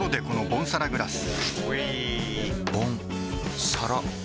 ボンサラグラス！